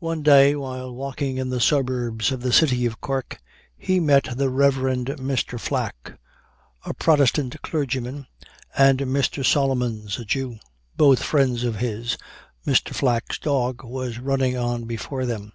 One day, while walking in the suburbs of the city of Cork, he met the Rev. Mr. Flack, a Protestant clergyman, and Mr. Solomons, a Jew both friends of his Mr. Flack's dog was running on before them.